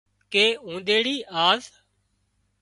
ڪي اونۮريڙي آز